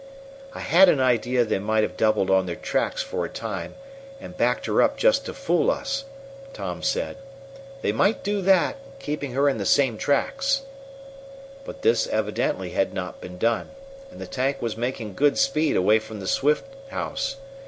"I had an idea they might have doubled on their tracks for a time, and backed her up just to fool us," Tom said. "They might do that, keeping her in the same tracks." But this, evidently, had not been done, and the tank was making good speed away from the Swift house.